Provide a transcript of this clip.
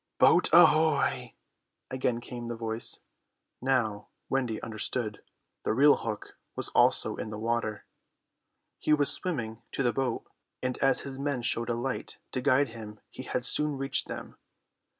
"Boat ahoy!" again came the voice. Now Wendy understood. The real Hook was also in the water. He was swimming to the boat, and as his men showed a light to guide him he had soon reached them.